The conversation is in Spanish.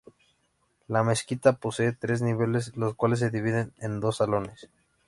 La mezquita posee tres niveles, los cuales se dividen en dos salones.